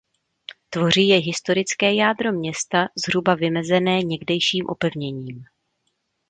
Tvoří jej historické jádro města zhruba vymezené někdejším opevněním.